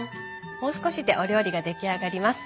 もう少しでお料理が出来上がります。